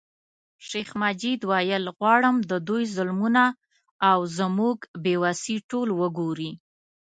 شیخ مجید ویل غواړم د دوی ظلمونه او زموږ بې وسي ټول وګوري.